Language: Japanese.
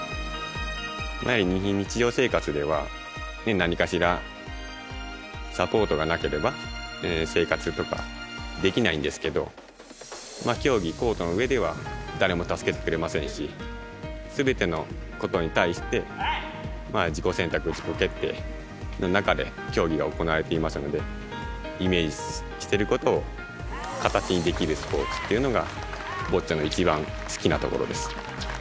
毎日、日常生活では何かしらサポートがなければ生活とかできないんですけど競技、コートの上では誰も助けてくれませんしすべてのことに対して自己選択、自己決定の中で競技が行われていますのでイメージしていることを形にできるスポーツというのがボッチャの一番好きなところです。